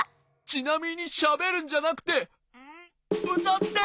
ちなみにしゃべるんじゃなくてうたって！